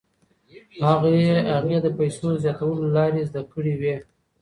هغې د پیسو د زیاتولو لارې زده کړې وې.